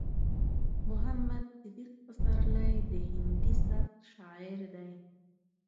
محمد صديق پسرلی د هندي سبک شاعر دی.